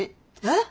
えっ？